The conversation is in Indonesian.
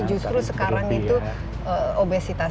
justru sekarang itu obesitas